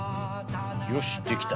よしできた。